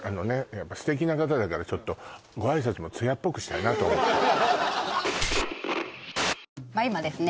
やっぱ素敵な方だからちょっとしたいなと思って今ですね